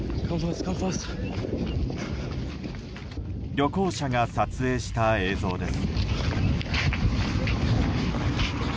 旅行者が撮影した映像です。